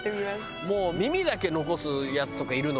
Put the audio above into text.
もう耳だけ残すヤツとかいるの。